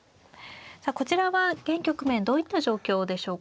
さあこちらは現局面どういった状況でしょうか。